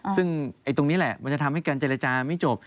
ซึ่งตรงนี้แหละมันจะทำให้การเจรจาไม่จบ